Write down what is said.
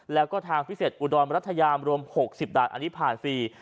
แล้วก็ทางพิเศษอุดรรัฐยามรวม๖๐ด่านอันนี้ผ่านฟรี